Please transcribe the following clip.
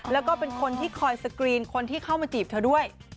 แล้วก็เป็นคนที่คอยสกรีนคนที่เข้ามาจีบเธอด้วย